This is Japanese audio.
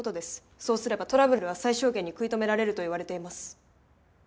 そうすればトラブルは最小限に食い止められるといわれています。